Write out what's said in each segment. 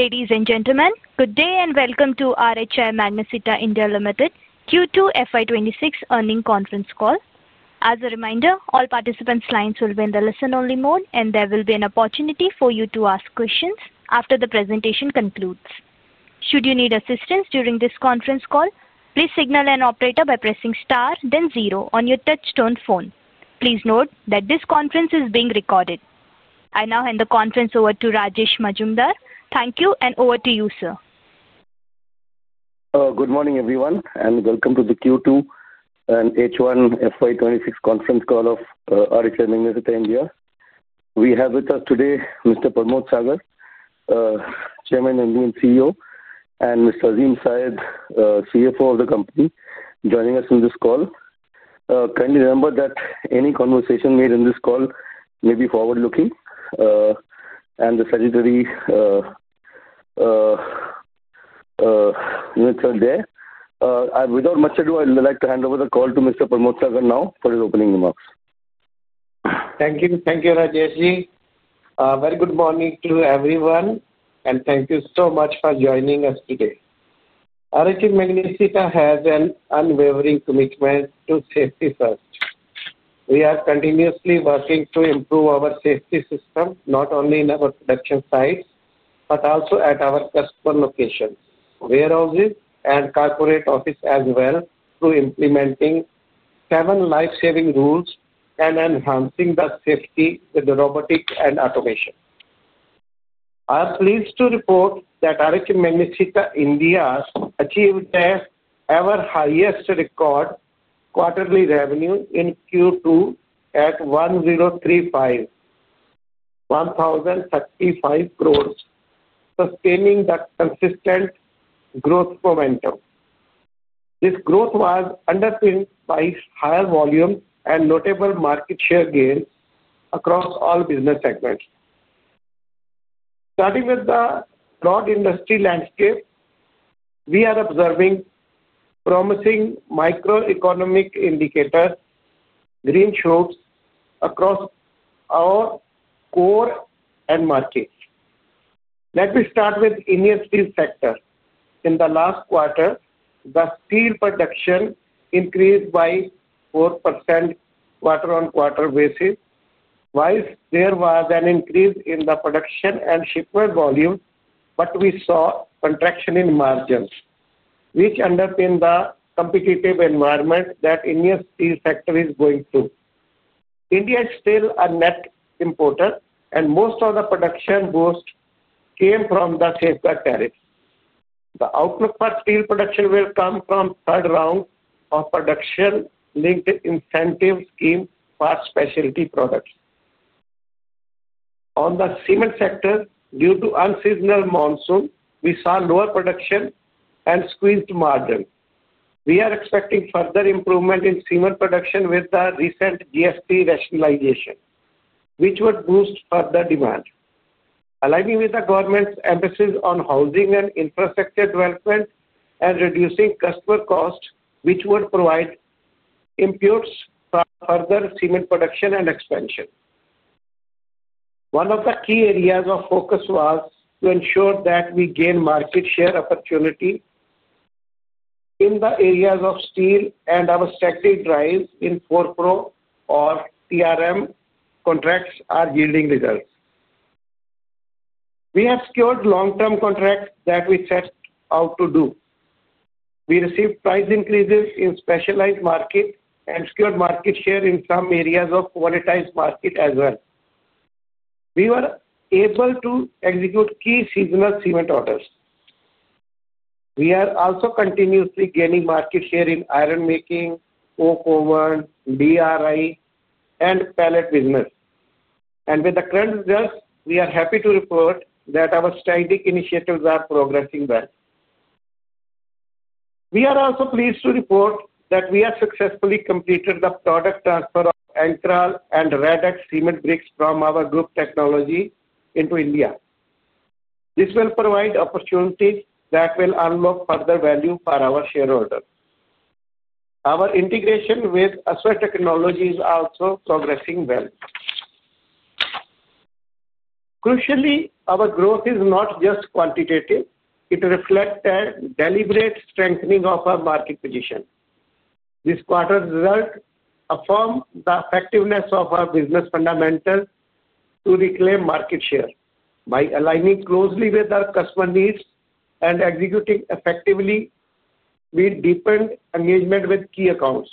Ladies and gentlemen, good day and welcome to RHI Magnesita India Limited Q2 FY 2026 earning conference call. As a reminder, all participants' lines will be in the listen-only mode, and there will be an opportunity for you to ask questions after the presentation concludes. Should you need assistance during this conference call, please signal an operator by pressing star, then zero on your touchstone phone. Please note that this conference is being recorded. I now hand the conference over to Rajesh Majumdar. Thank you, and over to you, sir. Good morning, everyone, and welcome to the Q2 and H1 FY 2026 conference call of RHI Magnesita India. We have with us today Mr. Parmod Sagar, Chairman and CEO, and Mr. Azim Syed, CFO of the company, joining us in this call. Kindly remember that any conversation made in this call may be forward-looking, and the secretary notes are there. Without much ado, I'd like to hand over the call to Mr. Parmod Sagar now for his opening remarks. Thank you. Thank you, Rajesh. Very good morning to everyone, and thank you so much for joining us today. RHI Magnesita has an unwavering commitment to safety first. We are continuously working to improve our safety system, not only in our production sites but also at our customer locations, warehouses, and corporate offices as well, through implementing seven life-saving rules and enhancing the safety with robotics and automation. I'm pleased to report that RHI Magnesita India achieved their ever-highest record quarterly revenue in Q2 at 1,035 crore, sustaining that consistent growth momentum. This growth was underpinned by higher volume and notable market share gains across all business segments. Starting with the broad industry landscape, we are observing promising microeconomic indicators, green shoots, across our core and markets. Let me start with the industrial sector. In the last quarter, the steel production increased by 4% quarter-on-quarter basis. Whilst there was an increase in the production and shipment volume, we saw a contraction in margins, which underpinned the competitive environment that the industrial sector is going through. India is still a net importer, and most of the production boost came from the safeguard tariffs. The outlook for steel production will come from the third round of production-linked incentive schemes for specialty products. On the cement sector, due to the unseasonal monsoon, we saw lower production and squeezed margins. We are expecting further improvement in cement production with the recent GST rationalization, which would boost further demand. Aligning with the government's emphasis on housing and infrastructure development and reducing customer costs, which would provide impedance for further cement production and expansion. One of the key areas of focus was to ensure that we gain market share opportunity in the areas of steel, and our strategy drives in 4PRO or TRM contracts are yielding results. We have secured long-term contracts that we set out to do. We received price increases in specialized markets and secured market share in some areas of qualitized markets as well. We were able to execute key seasonal cement orders. We are also continuously gaining market share in iron-making, coke oven, DRI, and pellet business. With the current results, we are happy to report that our strategic initiatives are progressing well. We are also pleased to report that we have successfully completed the product transfer of ANKRAL and RADEX cement bricks from our group technology into India. This will provide opportunities that will unlock further value for our shareholders. Our integration with Ashwath Technologies is also progressing well. Crucially, our growth is not just quantitative. It reflects a deliberate strengthening of our market position. This quarter's result affirms the effectiveness of our business fundamentals to reclaim market share. By aligning closely with our customer needs and executing effectively, we deepened engagement with key accounts.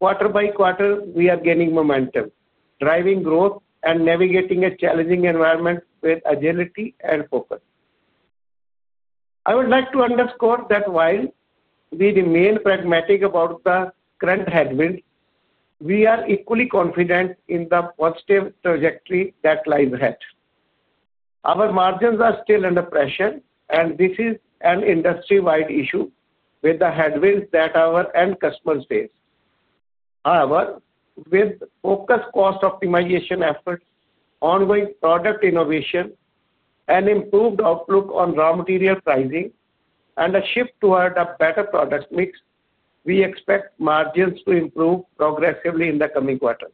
Quarter by quarter, we are gaining momentum, driving growth and navigating a challenging environment with agility and focus. I would like to underscore that while we remain pragmatic about the current headwinds, we are equally confident in the positive trajectory that lies ahead. Our margins are still under pressure, and this is an industry-wide issue with the headwinds that our end customers face. However, with focused cost optimization efforts, ongoing product innovation, an improved outlook on raw material pricing, and a shift toward a better product mix, we expect margins to improve progressively in the coming quarter.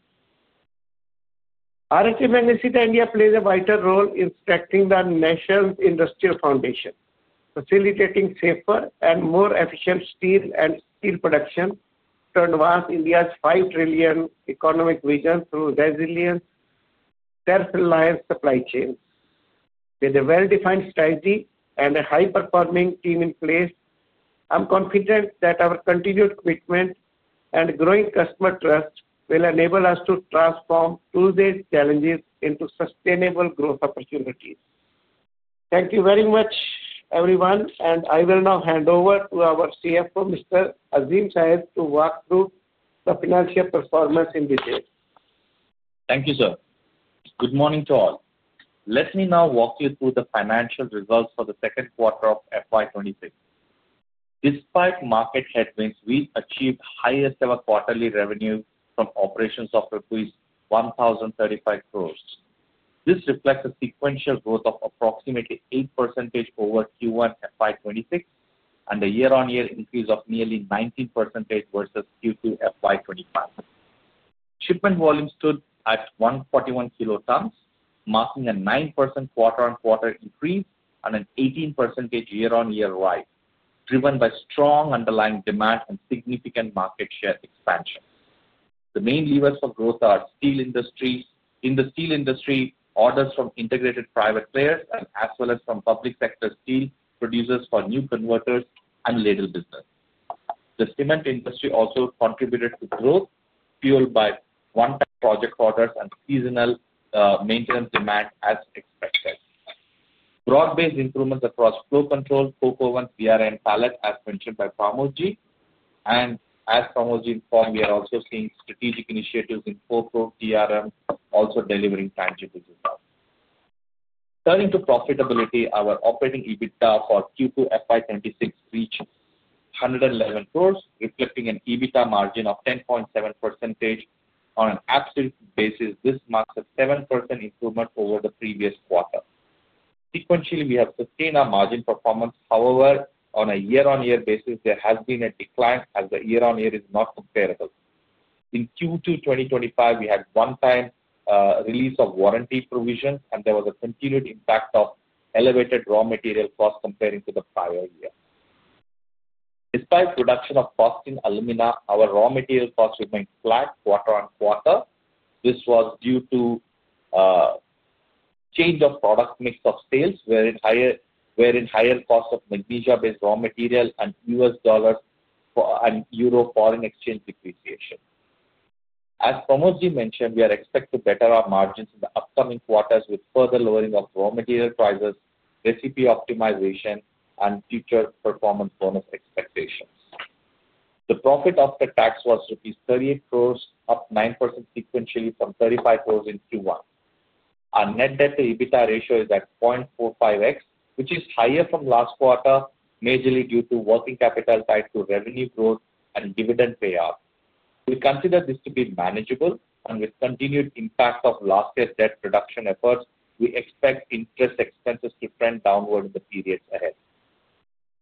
RHI Magnesita India plays a vital role in strengthening the national industrial foundation, facilitating safer and more efficient steel production to advance India's 5-trillion economic vision through resilience, self-reliant supply chains. With a well-defined strategy and a high-performing team in place, I'm confident that our continued commitment and growing customer trust will enable us to transform today's challenges into sustainable growth opportunities. Thank you very much, everyone, and I will now hand over to our CFO, Mr. Azim Syed, to walk through the financial performance in detail. Thank you, sir. Good morning to all. Let me now walk you through the financial results for the second quarter of FY 2026. Despite market headwinds, we achieved higher quarterly revenue from operations of rupees 1,035 crores. This reflects a sequential growth of approximately 8% over Q1 FY 2026 and a year-on-year increase of nearly 19% versus Q2 FY 2025. Shipment volume stood at 141 kilotons, marking a 9% quarter-on-quarter increase and an 18% year-on-year rise, driven by strong underlying demand and significant market share expansion. The main levers for growth are steel industries. In the steel industry, orders from integrated private players as well as from public sector steel producers for new converters and ladle business. The cement industry also contributed to growth, fueled by one-time project orders and seasonal maintenance demand as expected. Broad-based improvements across flow control, coke oven, DRI, and pellet, as mentioned by Parmodji. As Parmodji informed, we are also seeing strategic initiatives in coke oven, DRI, also delivering tangible results. Turning to profitability, our operating EBITDA for Q2 FY 202026 reached 111 crore, reflecting an EBITDA margin of 10.7% on an absolute basis. This marks a 7% improvement over the previous quarter. Sequentially, we have sustained our margin performance. However, on a year-on-year basis, there has been a decline as the year-on-year is not comparable. In Q2 2025, we had one-time release of warranty provisions, and there was a continued impact of elevated raw material costs comparing to the prior year. Despite reduction of cost in alumina, our raw material costs remained flat quarter-on-quarter. This was due to a change of product mix of sales, wherein higher costs of magnesia-based raw material and USD and Euro foreign exchange depreciation. As Parmodji mentioned, we are expected to better our margins in the upcoming quarters with further lowering of raw material prices, recipe optimization, and future performance bonus expectations. The profit after tax was rupees 38 crore, up 9% sequentially from 35 crore in Q1. Our net debt-to-EBITDA ratio is at 0.45x, which is higher from last quarter, majorly due to working capital tied to revenue growth and dividend payout. We consider this to be manageable, and with continued impact of last year's debt reduction efforts, we expect interest expenses to trend downward in the periods ahead.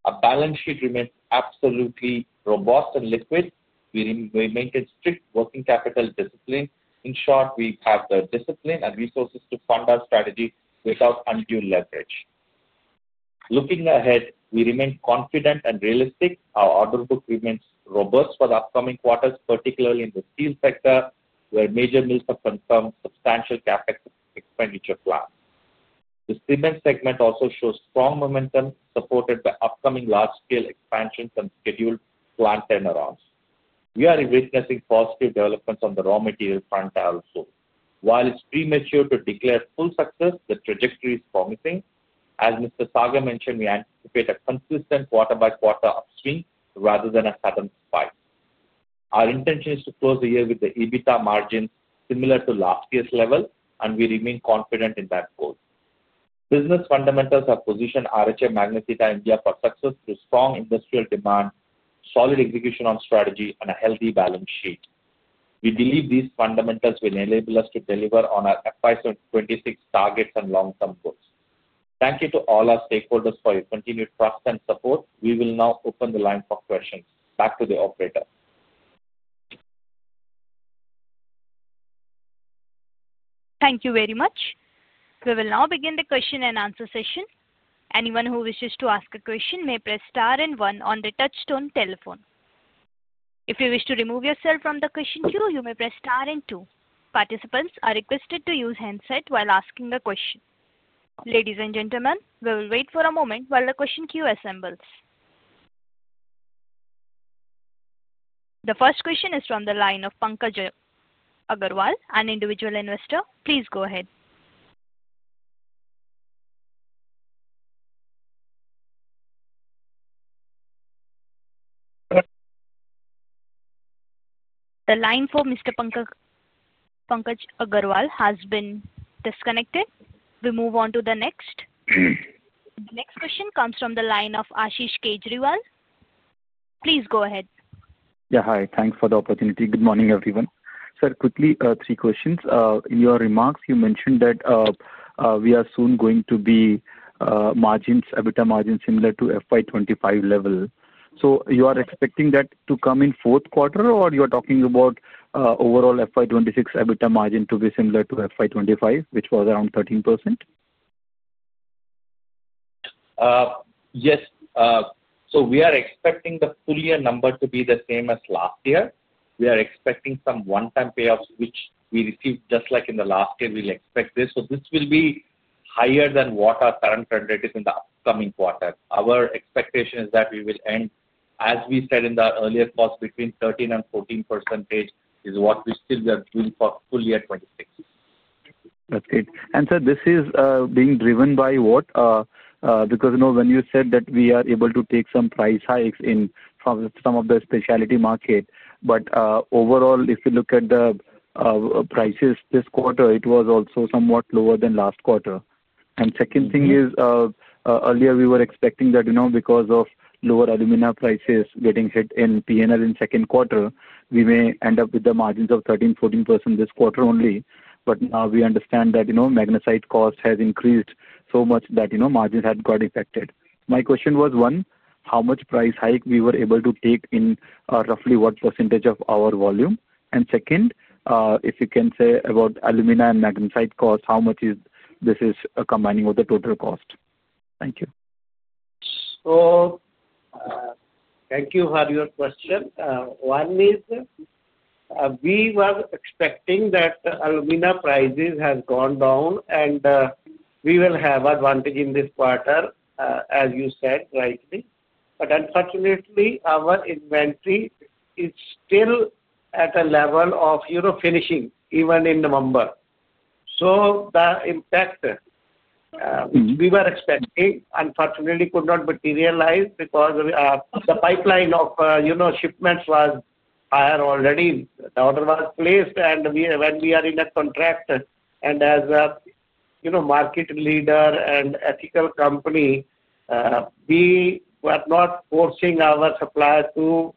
Our balance sheet remains absolutely robust and liquid. We maintain strict working capital discipline. In short, we have the discipline and resources to fund our strategy without undue leverage. Looking ahead, we remain confident and realistic. Our order book remains robust for the upcoming quarters, particularly in the steel sector, where major mills have confirmed substantial CapEx expenditure plans. The cement segment also shows strong momentum, supported by upcoming large-scale expansions and scheduled planned turnarounds. We are witnessing positive developments on the raw material front also. While it's premature to declare full success, the trajectory is promising. As Mr. Sagar mentioned, we anticipate a consistent quarter-by-quarter upswing rather than a sudden spike. Our intention is to close the year with EBITDA margins similar to last year's level, and we remain confident in that goal. Business fundamentals have positioned RHI Magnesita India for success through strong industrial demand, solid execution on strategy, and a healthy balance sheet. We believe these fundamentals will enable us to deliver on our FY 2026 targets and long-term goals. Thank you to all our stakeholders for your continued trust and support. We will now open the line for questions. Back to the operator. Thank you very much. We will now begin the question-and-answer session. Anyone who wishes to ask a question may press star and one on the touchstone telephone. If you wish to remove yourself from the question queue, you may press star and two. Participants are requested to use handset while asking a question. Ladies and gentlemen, we will wait for a moment while the question queue assembles. The first question is from the line of Pankaj Agarwal, an individual investor. Please go ahead. The line for Mr. Pankaj Agarwal has been disconnected. We move on to the next. The next question comes from the line of Ashish Kejriwal. Please go ahead. Yeah, hi. Thanks for the opportunity. Good morning, everyone. Sir, quickly, three questions. In your remarks, you mentioned that we are soon going to be margins, EBITDA margins similar to FY 2025 level. So you are expecting that to come in fourth quarter, or you are talking about overall FY 2026 EBITDA margin to be similar to FY 2025, which was around 13%? Yes. We are expecting the full year number to be the same as last year. We are expecting some one-time payouts, which we received just like in the last year. We will expect this. This will be higher than what our current rate is in the upcoming quarter. Our expectation is that we will end, as we said in the earlier calls, between 13%-14% is what we still are doing for full year 2026. That's good. Sir, this is being driven by what? Because when you said that we are able to take some price hikes in some of the specialty market, but overall, if you look at the prices this quarter, it was also somewhat lower than last quarter. The second thing is, earlier we were expecting that because of lower alumina prices getting hit in P&L in the second quarter, we may end up with the margins of 13%-14% this quarter only. Now we understand that magnesite cost has increased so much that margins had got affected. My question was, one, how much price hike we were able to take in roughly what percentage of our volume? Second, if you can say about alumina and magnesite cost, how much is this combining with the total cost? Thank you. Thank you for your question. One is, we were expecting that alumina prices have gone down, and we will have advantage in this quarter, as you said rightly. Unfortunately, our inventory is still at a level of finishing, even in November. The impact we were expecting, unfortunately, could not materialize because the pipeline of shipments was higher already. The order was placed, and when we are in a contract, and as a market leader and ethical company, we were not forcing our suppliers to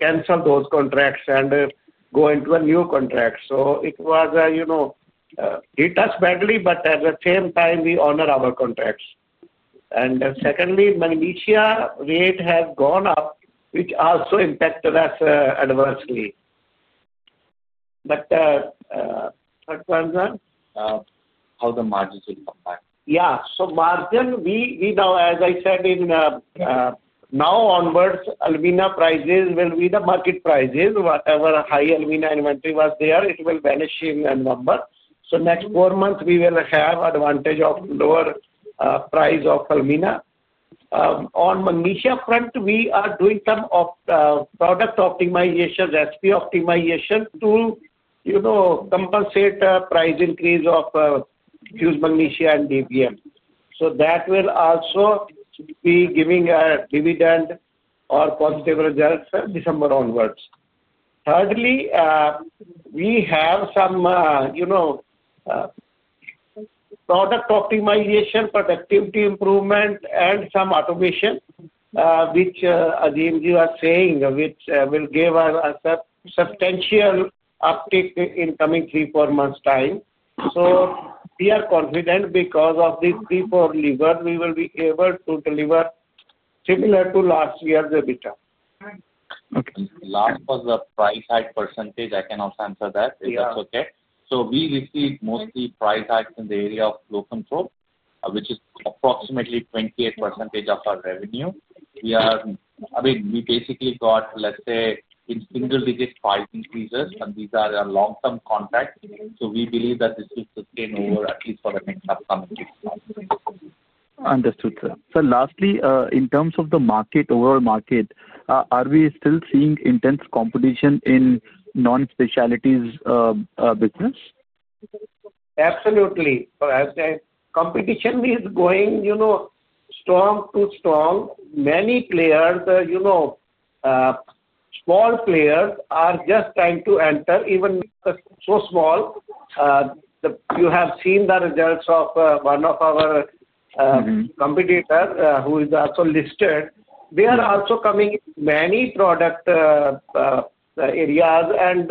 cancel those contracts and go into a new contract. It hit us badly, but at the same time, we honor our contracts. Secondly, magnesia rate has gone up, which also impacted us adversely. Third one. How will the margins come back? Yeah. Margin, we now, as I said, now onwards, alumina prices will be the market prices. Whatever high alumina inventory was there, it will vanish in November. Next 4 months, we will have advantage of lower price of alumina. On magnesia front, we are doing some product optimization, recipe optimization to compensate price increase of fused magnesia and DBM. That will also be giving a dividend or positive results December onwards. Thirdly, we have some product optimization, productivity improvement, and some automation, which Azimji was saying, which will give us a substantial uptick in coming 3-4months' time. We are confident because of these 3-4 levers, we will be able to deliver similar to last year's EBITDA. Okay. Last was the price hike percentage. I can also answer that if that's okay. So we received mostly price hikes in the area of flow control, which is approximately 28% of our revenue. We are, I mean, we basically got, let's say, in single-digit price increases, and these are long-term contracts. We believe that this will sustain over at least for the next upcoming 6 months. Understood, sir. Lastly, in terms of the market, overall market, are we still seeing intense competition in non-specialties business? Absolutely. I would say competition is going strong to strong. Many players, small players are just trying to enter, even so small. You have seen the results of one of our competitors who is also listed. They are also coming in many product areas, and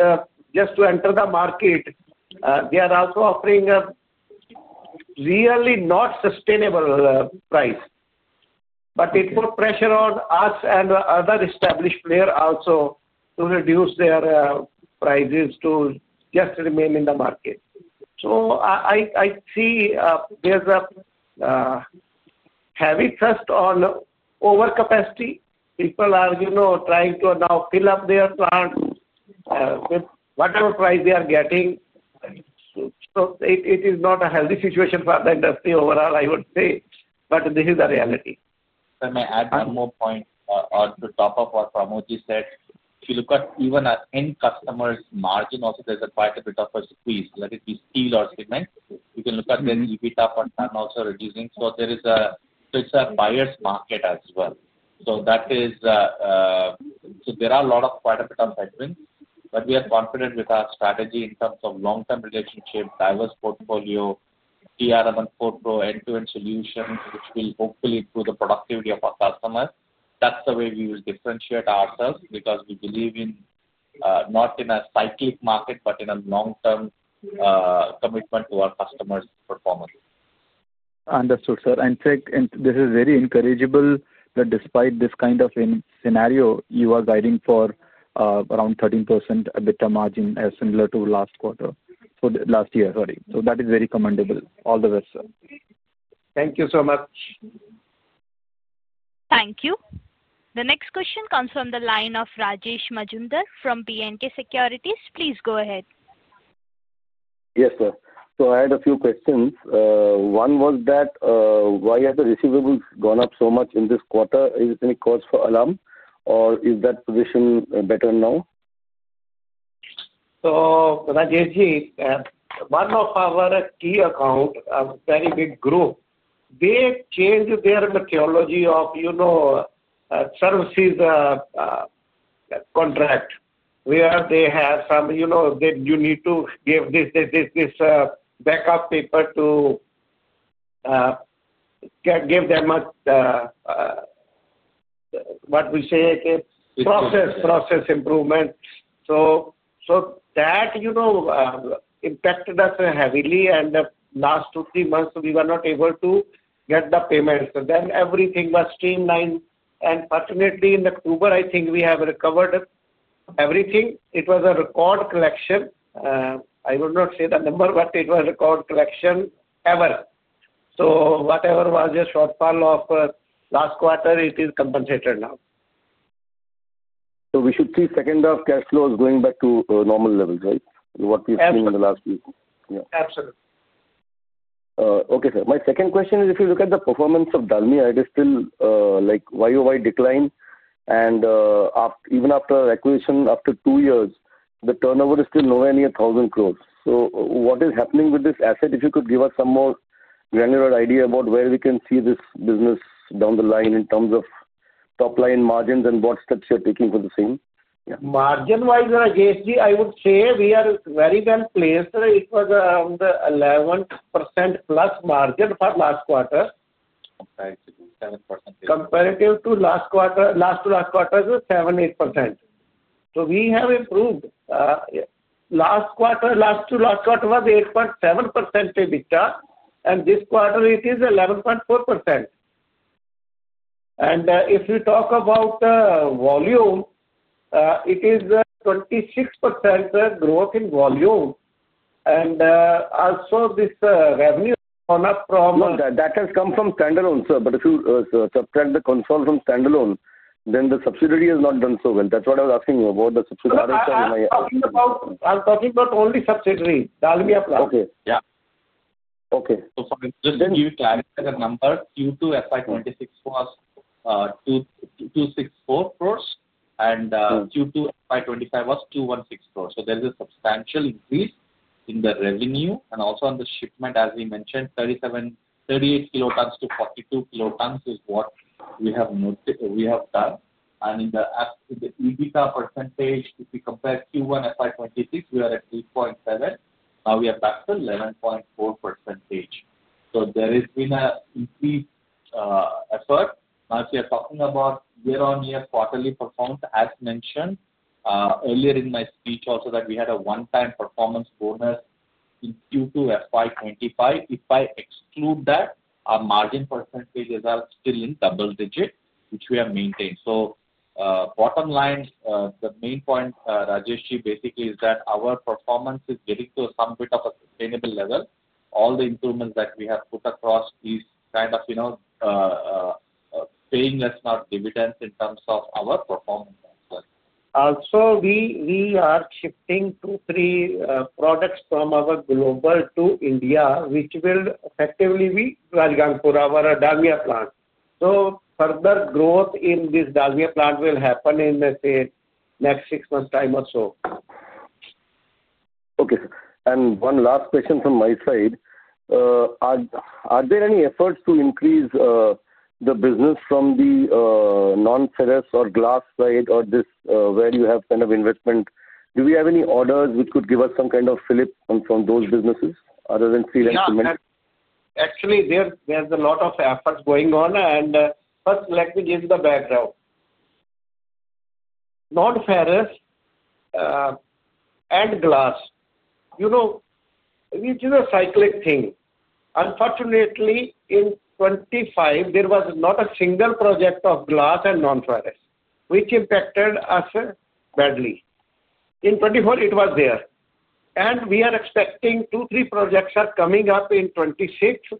just to enter the market, they are also offering a really not sustainable price. It puts pressure on us and other established players also to reduce their prices to just remain in the market. I see there is a heavy thrust on overcapacity. People are trying to now fill up their plant with whatever price they are getting. It is not a healthy situation for the industry overall, I would say. This is the reality. May I add one more point to top up what Parmodji said? If you look at even our end customers' margin also, there's quite a bit of a squeeze. Let it be steel or cement. You can look at their EBITDA per ton also reducing. There is a buyer's market as well. There are quite a bit of headwinds. We are confident with our strategy in terms of long-term relationship, diverse portfolio, TRM and 4PRO, end-to-end solutions, which will hopefully improve the productivity of our customers. That's the way we will differentiate ourselves because we believe not in a cyclic market, but in a long-term commitment to our customers' performance. Understood, sir. This is very encourageable that despite this kind of scenario, you are guiding for around 13% EBITDA margin similar to last quarter or last year. That is very commendable. All the best, sir. Thank you so much. Thank you. The next question comes from the line of Rajesh Majumdar from B & K Securities. Please go ahead. Yes, sir. I had a few questions. One was that why has the receivables gone up so much in this quarter? Is it any cause for alarm, or is that position better now? Rajesh Ji, one of our key accounts, a very big group, they changed their methodology of services contract. Where they have some, you need to give this backup paper to give them what we say is process improvement. That impacted us heavily, and last two, three months, we were not able to get the payments. Everything was streamlined. Fortunately, in October, I think we have recovered everything. It was a record collection. I would not say the number, but it was a record collection ever. Whatever was the shortfall of last quarter, it is compensated now. We should see second half cash flows going back to normal levels, right? What we've seen in the last week. Absolutely. Yeah. Absolutely. Okay, sir. My second question is, if you look at the performance of Dalmia, it is still year-over-year decline. And even after acquisition, after 2 years, the turnover is still nowhere near 1,000 crore. What is happening with this asset? If you could give us some more granular idea about where we can see this business down the line in terms of top-line margins and what steps you're taking for the same. Margin-wise, Rajesh Ji, I would say we are very well placed. It was around 11% plus margin for last quarter. Thank you, 7%-8%. Comparative to last quarter, last to last quarter is 7-8%. We have improved. Last quarter, last to last quarter was 8.7% EBITDA. This quarter, it is 11.4%. If we talk about volume, it is 26% growth in volume. Also, this revenue has gone up from. That has come from standalone, sir. If you subtract the console from standalone, then the subsidiary has not done so well. That's what I was asking you about the subsidiary. I'm talking about only subsidiary, Dalmia plant. Okay. Yeah. Okay. Just to give you clarity, the number Q2 FY 2026 was INR 264 crore, and Q2 FY 2025 was 216 crore. There is a substantial increase in the revenue. Also on the shipment, as we mentioned, 38 kilotons to 42 kilotons is what we have done. In the EBITDA percentage, if we compare Q1 FY 2026, we are at 3.7%. Now we are back to 11.4%. There has been an increased effort. If you're talking about year-on-year quarterly performance, as mentioned earlier in my speech also, we had a one-time performance bonus in Q2 FY 2025. If I exclude that, our margin percentages are still in double digits, which we have maintained. Bottom line, the main point, Rajesh Ji, basically is that our performance is getting to some bit of a sustainable level. All the improvements that we have put across, these are kind of paying us now dividends in terms of our performance also. Also, we are shifting two, three products from our global to India, which will effectively be Rajgangpur, our Dalmia plant. Further growth in this Dalmia plant will happen in, let's say, next 6 months' time or so. Okay, sir. One last question from my side. Are there any efforts to increase the business from the non-ferrous or glass side or this where you have kind of investment? Do we have any orders which could give us some kind of flip from those businesses other than steel and cement? Actually, there's a lot of efforts going on. First, let me give the background. Non-ferrous and glass, which is a cyclic thing. Unfortunately, in 2025, there was not a single project of glass and non-ferrous, which impacted us badly. In 2024, it was there. We are expecting two, three projects are coming up in 2026,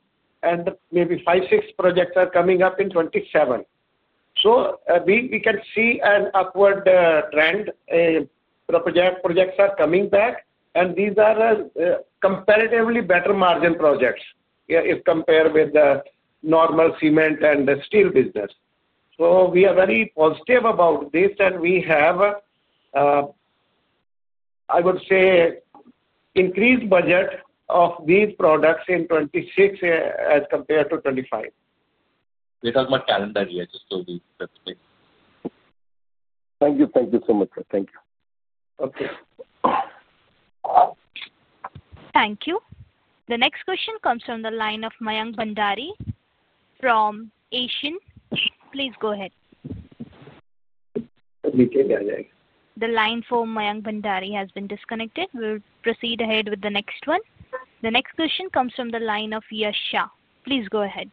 and maybe five, six projects are coming up in 2027. We can see an upward trend. Projects are coming back, and these are comparatively better margin projects if compared with the normal cement and steel business. We are very positive about this, and we have, I would say, increased budget of these products in 2026 as compared to 2025. We'll talk about calendar year just to be perfect. Thank you. Thank you so much, sir. Thank you. Thank you. The next question comes from the line of Mayank Bandhari from Asian. Please go ahead. The line for Mayank Bandhari has been disconnected. We'll proceed ahead with the next one. The next question comes from the line of Yasha. Please go ahead.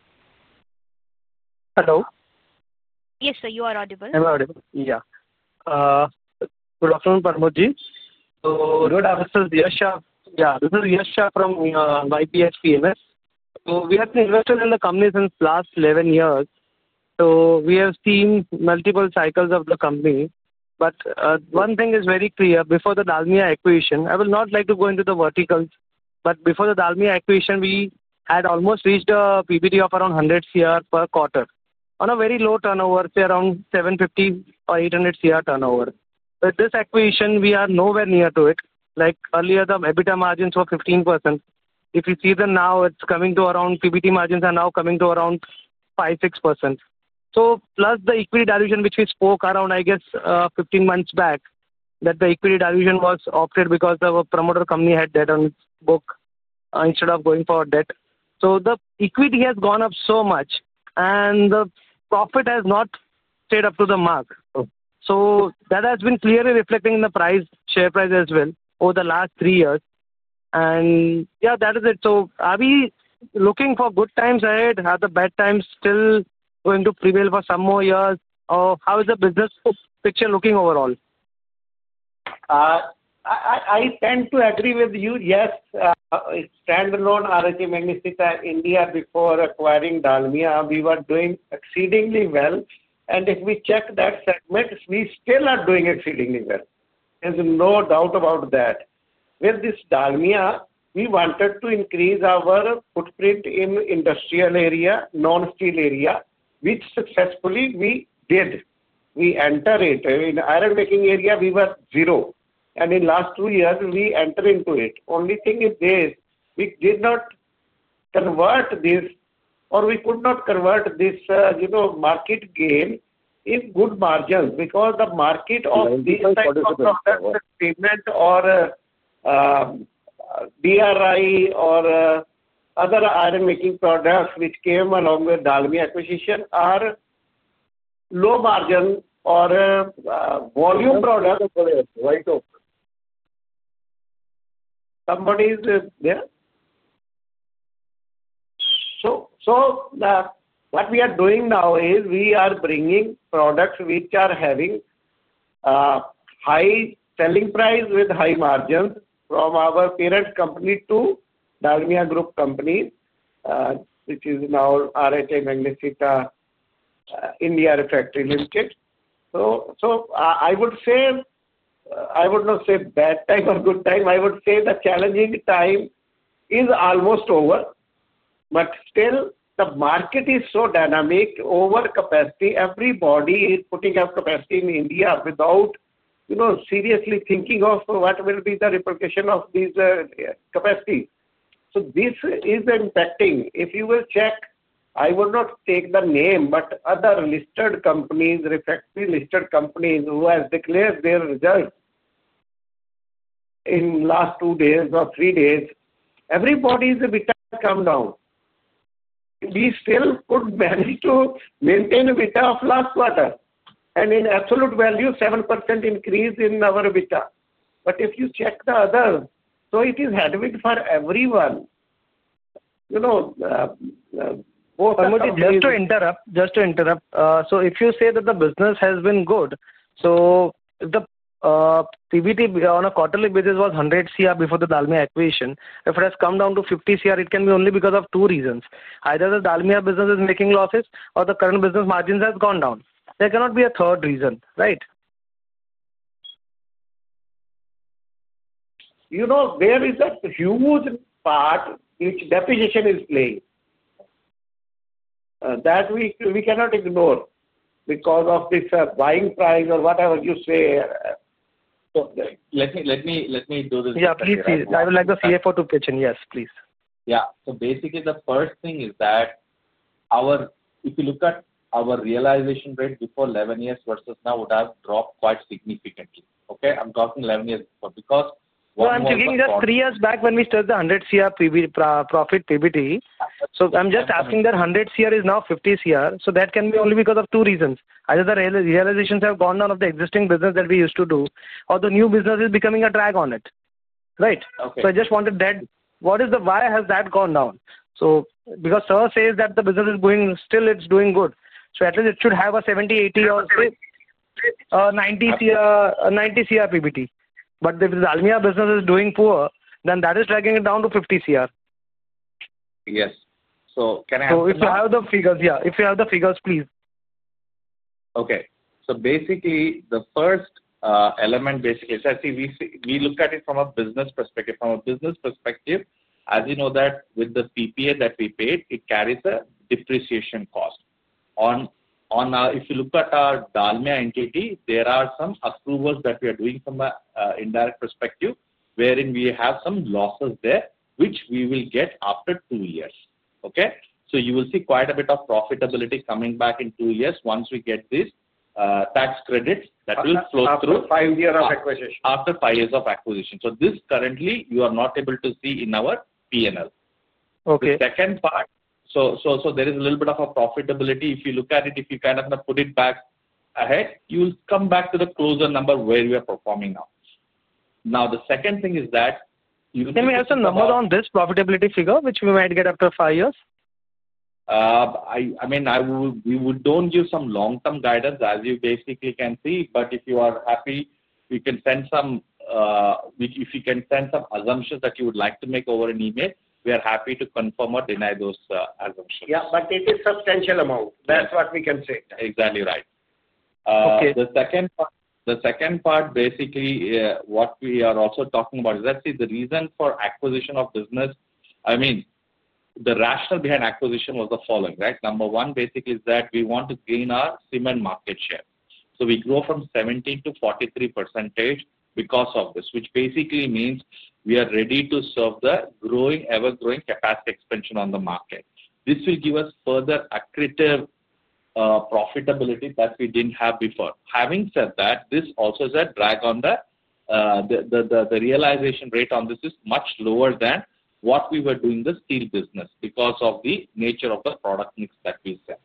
Hello. Yes, sir. You are audible. I'm audible. Yeah. Sir Parmodji, I would say Yasha, yeah, this is Yasha from YPH PMS. We have invested in the company since the last 11 years. We have seen multiple cycles of the company. One thing is very clear. Before the Dalmia acquisition, I would not like to go into the verticals, but before the Dalmia acquisition, we had almost reached a PBT of around 100 crore per quarter on a very low turnover, say around 750 crore or 800 crore turnover. With this acquisition, we are nowhere near to it. Like earlier, the EBITDA margins were 15%. If you see them now, it's coming to around PBT margins are now coming to around 5%-6%. Plus the equity dilution, which we spoke around, I guess, 15 months back, that the equity dilution was opted because the promoter company had debt on its book instead of going for debt. The equity has gone up so much, and the profit has not stayed up to the mark. That has been clearly reflecting in the share price as well over the last three years. Yeah, that is it. Are we looking for good times ahead? Are the bad times still going to prevail for some more years? How is the business picture looking overall? I tend to agree with you. Yes. Standalone, RHI Magnesita India before acquiring Dalmia, we were doing exceedingly well. If we check that segment, we still are doing exceedingly well. There's no doubt about that. With this Dalmia, we wanted to increase our footprint in industrial area, non-steel area, which successfully we did. We entered it. In iron-making area, we were zero. In the last two years, we entered into it. Only thing is this. We did not convert this or we could not convert this market gain in good margins because the market of these types of products, like cement or DRI or other iron-making products, which came along with Dalmia acquisition, are low margin or volume products. Right. Somebody is there. What we are doing now is we are bringing products which are having high selling price with high margins from our parent company to Dalmia Group companies, which is now RHI Magnesita India Factory Limited. I would say, I would not say bad time or good time. I would say the challenging time is almost over. Still, the market is so dynamic, over capacity. Everybody is putting up capacity in India without seriously thinking of what will be the replication of these capacities. This is impacting. If you will check, I would not take the name, but other listed companies, refractory listed companies who have declared their results in last two days or three days, everybody's EBITDA has come down. We still could manage to maintain EBITDA of last quarter and in absolute value, 7% increase in our EBITDA. If you check the other, so it is headwind for everyone. Just to interrupt, just to interrupt. If you say that the business has been good, if the PBT on a quarterly basis was 100 crore before the Dalmia acquisition, if it has come down to 50 crore, it can be only because of two reasons. Either the Dalmia business is making losses or the current business margins have gone down. There cannot be a third reason, right? You know where is that huge part which deposition is playing that we cannot ignore because of this buying price or whatever you say. Let me do this. Yeah, please. I would like the CFO to pitch in. Yes, please. Yeah. So basically, the first thing is that if you look at our realization rate before 11 years versus now, it has dropped quite significantly. Okay? I'm talking 11 years before because what we have. I'm thinking that three years back when we started the 100 crore profit PBT. I'm just asking that 100 crore is now 50 crore. That can be only because of two reasons. Either the realizations have gone down of the existing business that we used to do, or the new business is becoming a drag on it, right? Okay. I just wanted that. What is the, why has that gone down? Because Sir says that the business is going still, it's doing good. At least it should have a 70-80-90 crore PBT. If the Dalmia business is doing poor, then that is dragging it down to 50 INR crore. Yes. Can I ask? If you have the figures, yeah. If you have the figures, please. Okay. Basically, the first element, basically, I see we look at it from a business perspective. From a business perspective, as you know, with the PPA that we paid, it carries a depreciation cost. If you look at our Dalmia entity, there are some approvals that we are doing from an indirect perspective wherein we have some losses there, which we will get after 2 years. Okay? You will see quite a bit of profitability coming back in 2 years once we get these tax credits that will flow through. After 5 years of acquisition. After 5 years of acquisition. This currently, you are not able to see in our P&L. Okay. The second part, so there is a little bit of a profitability. If you look at it, if you kind of put it back ahead, you will come back to the closer number where we are performing now. Now, the second thing is that you can. Can we have some numbers on this profitability figure, which we might get after 5 years? I mean, we don't give some long-term guidance, as you basically can see. If you are happy, we can send some, if you can send some assumptions that you would like to make over an email, we are happy to confirm or deny those assumptions. Yeah. It is substantial amount. That's what we can say. Exactly right. Okay. The second part, basically, what we are also talking about is, let's see, the reason for acquisition of business. I mean, the rationale behind acquisition was the following, right? Number one, basically, is that we want to gain our cement market share. So we grew from 17% to 43% because of this, which basically means we are ready to serve the growing, ever-growing capacity expansion on the market. This will give us further accretive profitability that we didn't have before. Having said that, this also is a drag on the realization rate on this is much lower than what we were doing the steel business because of the nature of the product mix that we set.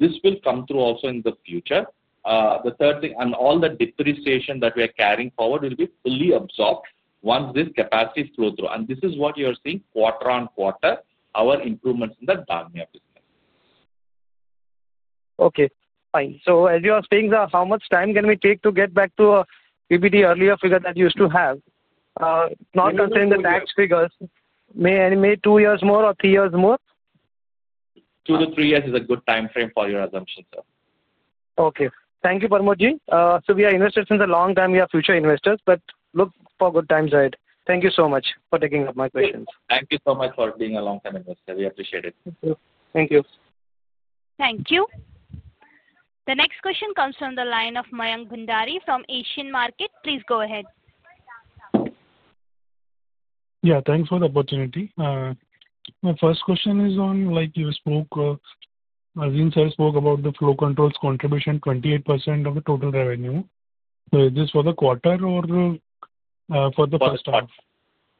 This will come through also in the future. The third thing, and all the depreciation that we are carrying forward will be fully absorbed once this capacity flow through. This is what you are seeing quarter-on-quarter, our improvements in the Dalmia business. Okay. Fine. As you are saying, sir, how much time can we take to get back to a PBT earlier figure that you used to have? Not considering the tax figures, maybe 2 years more or 3 years more? Two to three years is a good time frame for your assumption, sir. Okay. Thank you, Parmodji. We are investors in the long term. We are future investors, but look for good times, right? Thank you so much for taking up my questions. Thank you so much for being a long-term investor. We appreciate it. Thank you. Thank you. Thank you. The next question comes from the line of Mayank Bandhari from Asian Market. Please go ahead. Yeah. Thanks for the opportunity. My first question is on, like you spoke, as Azim Sir spoke about the flow controls contribution, 28% of the total revenue. Is this for the quarter or for the first half?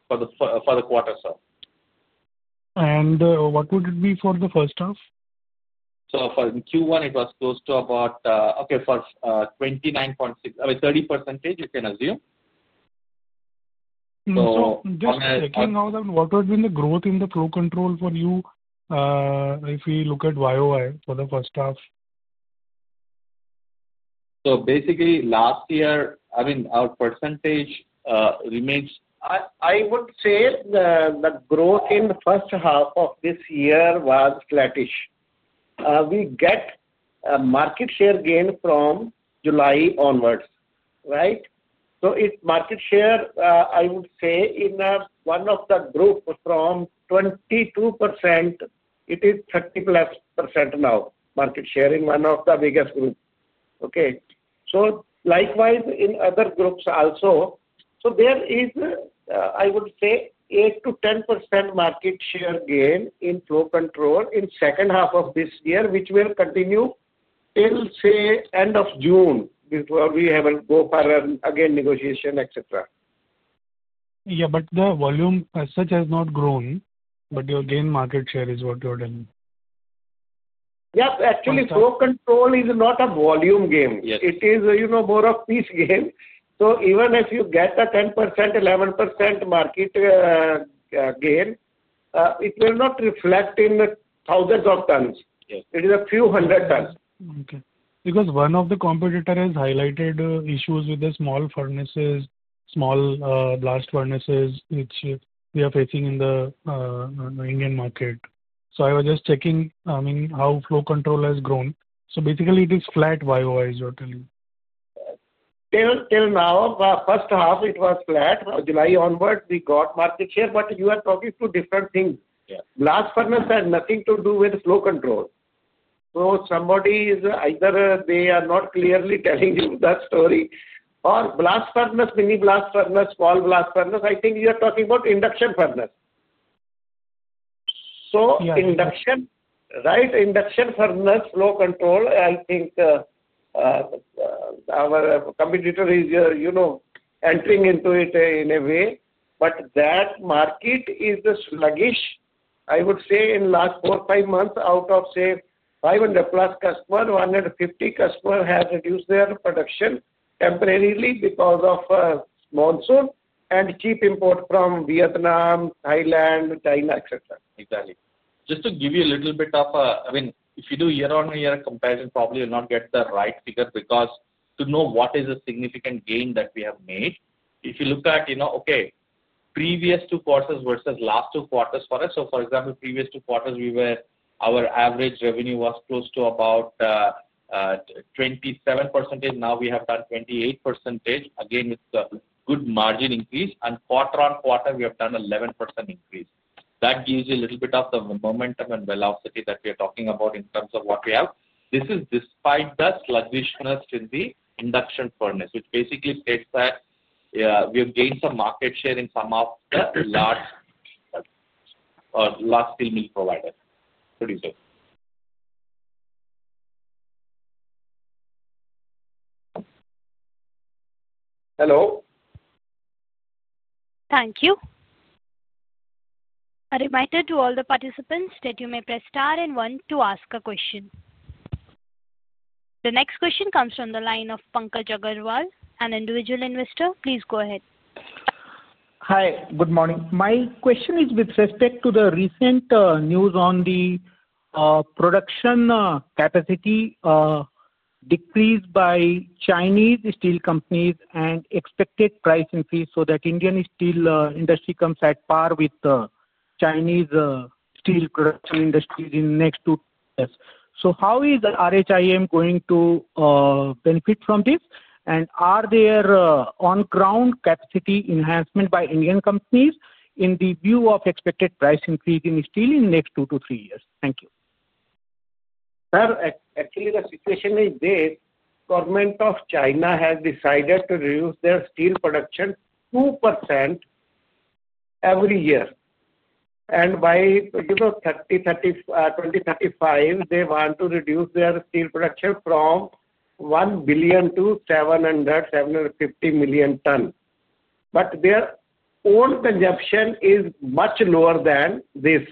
For the quarter, sir. What would it be for the first half? For Q1, it was close to about, okay, for 29.6%, I mean, 30%, you can assume. Just checking out what would have been the growth in the flow control for you if we look at YoY for the first half? Basically, last year, I mean, our percentage remains. I would say the growth in the first half of this year was flattish. We get a market share gain from July onwards, right? So its market share, I would say, in one of the groups was from 22%. It is 30%+ now, market share in one of the biggest groups. Okay? Likewise in other groups also. There is, I would say, 8%-10% market share gain in flow control in the second half of this year, which will continue till, say, end of June before we have to go for again negotiation, etc. Yeah. The volume as such has not grown, but your gain market share is what you are telling. Yes. Actually, flow control is not a volume gain. It is more of a piece gain. So even if you get a 10%-11% market gain, it will not reflect in thousands of tons. It is a few hundred tons. Okay. Because one of the competitors has highlighted issues with the small furnaces, small blast furnaces, which we are facing in the Indian market. I was just checking, I mean, how flow control has grown. Basically, it is flat YoY, as you are telling. Till now, first half, it was flat. July onwards, we got market share, but you are talking two different things. Yeah. Blast furnaces had nothing to do with flow control. Somebody is either not clearly telling you that story or blast furnaces, mini blast furnaces, small blast furnaces. I think you are talking about induction furnaces. Induction, right, induction furnaces, flow control, I think our competitor is entering into it in a way. That market is sluggish, I would say, in the last four or five months, out of, say, 500+ customers, 150 customers have reduced their production temporarily because of monsoon and cheap import from Vietnam, Thailand, China, etc. Exactly. Just to give you a little bit of a, I mean, if you do year-on-year comparison, probably you will not get the right figure because to know what is the significant gain that we have made, if you look at, okay, previous two quarters versus last two quarters for us. For example, previous two quarters, our average revenue was close to about 27%. Now we have done 28%, again, with good margin increase. quarter-on-quarter, we have done 11% increase. That gives you a little bit of the momentum and velocity that we are talking about in terms of what we have. This is despite the sluggishness in the induction furnaces, which basically states that we have gained some market share in some of the large steel mill providers, producers. Hello? Thank you. A reminder to all the participants that you may press star and one to ask a question. The next question comes from the line of Pankaj Agarwal, an individual investor. Please go ahead. Hi. Good morning. My question is with respect to the recent news on the production capacity decrease by Chinese steel companies and expected price increase so that Indian steel industry comes at par with Chinese steel production industries in the next two years. How is RHI Magnesita India going to benefit from this? Are there on-ground capacity enhancements by Indian companies in the view of expected price increase in steel in the next two to three years? Thank you. Sir, actually, the situation is this. The government of China has decided to reduce their steel production 2% every year. By 2035, they want to reduce their steel production from 1 billion to 700 million-750 million tons. Their own consumption is much lower than this.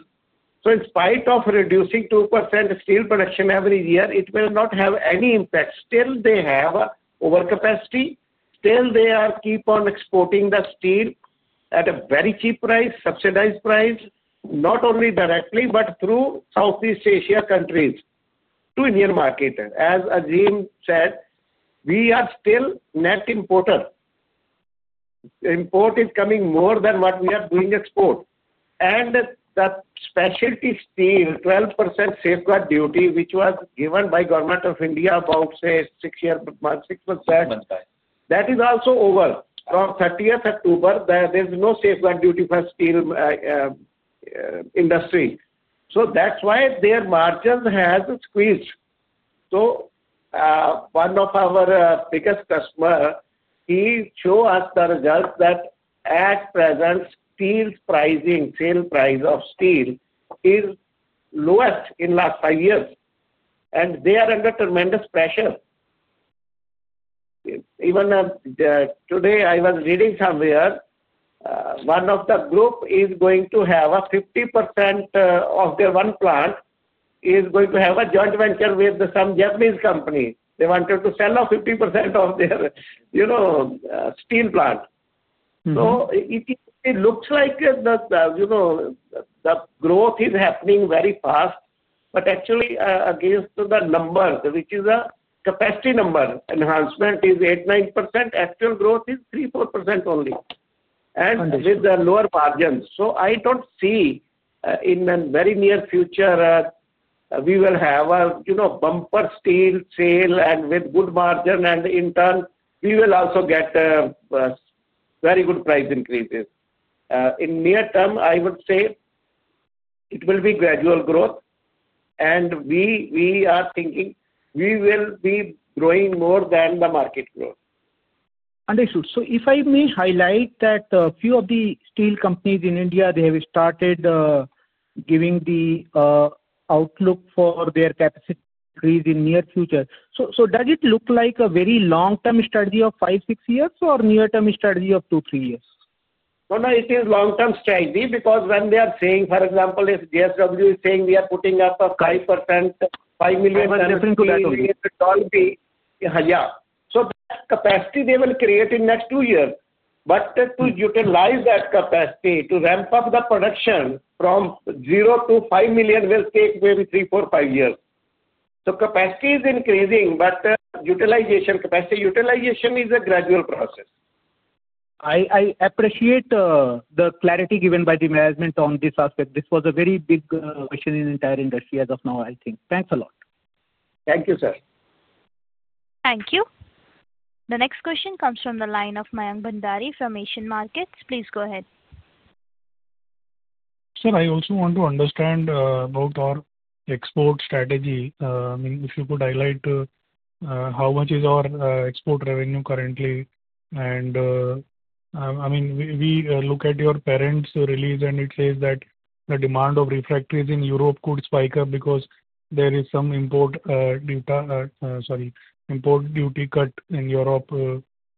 In spite of reducing 2% steel production every year, it will not have any impact. Still, they have overcapacity. Still, they are keep on exporting the steel at a very cheap price, subsidized price, not only directly but through Southeast Asia countries to the Indian market. As Azim said, we are still net importer. Import is coming more than what we are doing export. The specialty steel, 12% safeguard duty, which was given by the government of India about, say, 6 months back, that is also over. From 30th of October, there is no safeguard duty for steel industry. That's why their margin has squeezed. One of our biggest customers, he showed us the results that at present, steel pricing, sale price of steel is lowest in the last 5 years. They are under tremendous pressure. Even today, I was reading somewhere, one of the groups is going to have 50% of their one plant is going to have a joint venture with some Japanese company. They wanted to sell off 50% of their steel plant. It looks like the growth is happening very fast. Actually, against the number, which is a capacity number, enhancement is 8%-9%. Actual growth is 3%-4% only. With the lower margins, I do not see in the very near future we will have a bumper steel sale with good margin. In turn, we will also get very good price increases. In near term, I would say it will be gradual growth. We are thinking we will be growing more than the market growth. Understood. If I may highlight that a few of the steel companies in India, they have started giving the outlook for their capacity increase in the near future. Does it look like a very long-term strategy of 5-6 years or a near-term strategy of 2-3 years? No, no. It is long-term strategy because when they are saying, for example, if JSW Steel is saying we are putting up a 5%, 5 million tons, it will be in Hajar. That capacity they will create in the next 2 years. To utilize that capacity, to ramp up the production from 0 to 5 million will take maybe 3, 4, 5 years. Capacity is increasing, but utilization, capacity utilization is a gradual process. I appreciate the clarity given by the management on this aspect. This was a very big question in the entire industry as of now, I think. Thanks a lot. Thank you, sir. Thank you. The next question comes from the line of Mayank Bandhari from Asian Market. Please go ahead. Sir, I also want to understand about our export strategy. I mean, if you could highlight how much is our export revenue currently. I mean, we look at your parents' release, and it says that the demand of refractories in Europe could spike up because there is some import, sorry, import duty cut in Europe,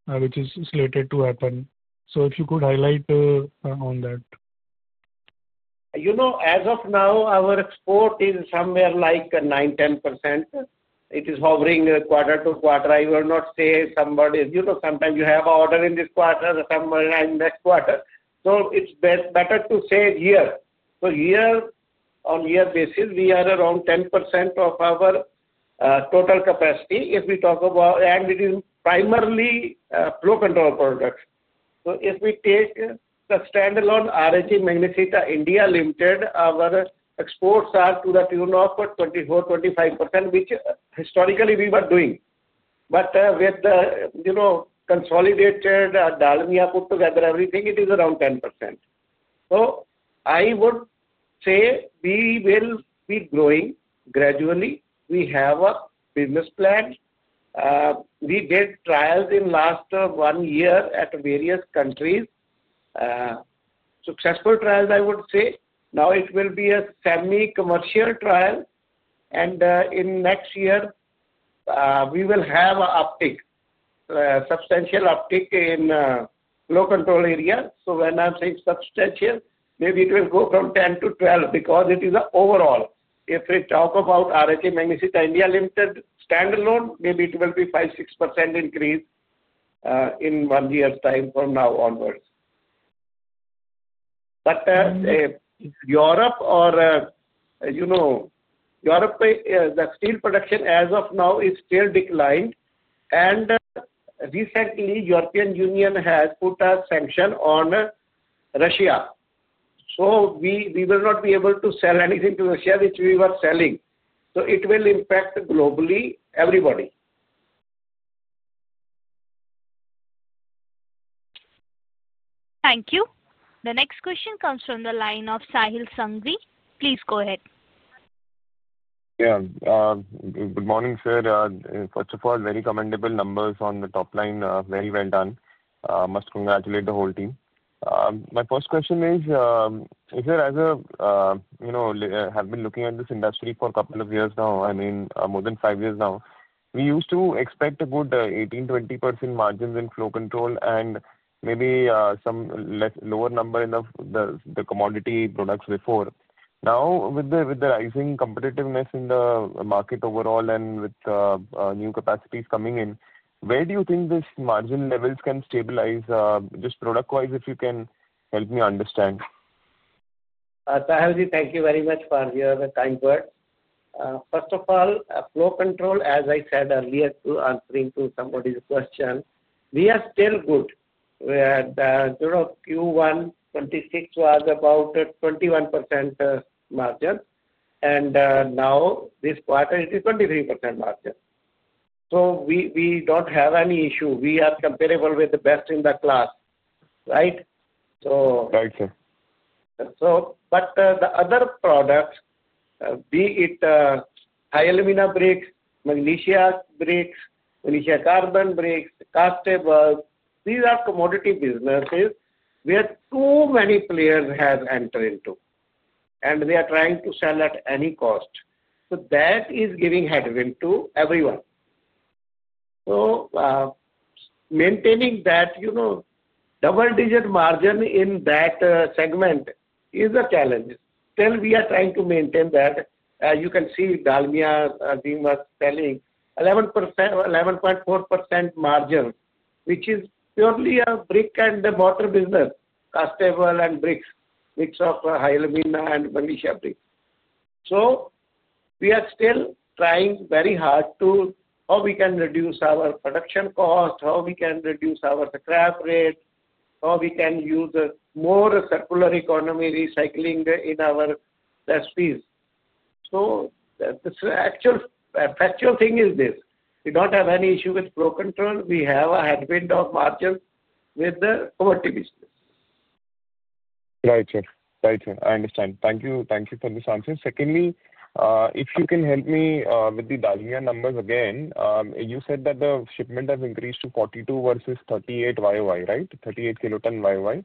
which is slated to happen. If you could highlight on that. As of now, our export is somewhere like 9%-10%. It is hovering quarter to quarter. I will not say somebody sometimes you have an order in this quarter or somebody in the next quarter. It is better to say here. Year-on-year basis, we are around 10% of our total capacity if we talk about, and it is primarily flow control products. If we take the standalone RHI Magnesita India Limited, our exports are to the tune of 24%-25%, which historically we were doing. With the consolidated Dalmia put together, everything, it is around 10%. I would say we will be growing gradually. We have a business plan. We did trials in the last one year at various countries, successful trials, I would say. Now it will be a semi-commercial trial. In next year, we will have an uptick, substantial uptick in flow control area. When I am saying substantial, maybe it will go from 10%-12% because it is overall. If we talk about RHI Magnesita India Limited standalone, maybe it will be 5%-6% increase in one year's time from now onwards. Europe, the steel production as of now is still declined. Recently, the European Union has put a sanction on Russia. We will not be able to sell anything to Russia, which we were selling. It will impact globally everybody. Thank you. The next question comes from the line of Sahil Sangari. Please go ahead. Yeah. Good morning, sir. First of all, very commendable numbers on the top line. Very well done. Must congratulate the whole team. My first question is, sir, as I have been looking at this industry for a couple of years now, I mean, more than 5 years now, we used to expect a good 18%-20% margins in flow control and maybe some lower number in the commodity products before. Now, with the rising competitiveness in the market overall and with new capacities coming in, where do you think these margin levels can stabilize, just product-wise, if you can help me understand? Sahilji, thank you very much for your kind words. First of all, flow control, as I said earlier, to answer to somebody's question, we are still good. The Q1 2026 was about 21% margin. And now this quarter, it is 23% margin. We do not have any issue. We are comparable with the best in the class, right? Right, sir. The other products, be it high-alumina bricks, magnesium bricks, magnesium carbon bricks, castables, these are commodity businesses where too many players have entered into. They are trying to sell at any cost. That is giving headwind to everyone. Maintaining that double-digit margin in that segment is a challenge. Still, we are trying to maintain that. As you can see, Dalmia was telling, 11.4% margin, which is purely a brick and mortar business, castable and bricks, mix of high-alumina and magnesium bricks. We are still trying very hard to see how we can reduce our production cost, how we can reduce our scrap rate, how we can use more circular economy recycling in our recipes. The actual factual thing is this. We do not have any issue with flow control. We have a headwind of margin with the commodity business. Right, sir. Right, sir. I understand. Thank you for this answer. Secondly, if you can help me with the Dalmia numbers again, you said that the shipment has increased to 42 versus 38 YoY, right? 38 kiloton YoY.